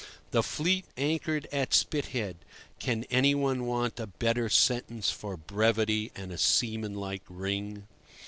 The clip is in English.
"The fleet anchored at Spithead": can anyone want a better sentence for brevity and seamanlike ring?